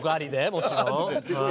もちろん。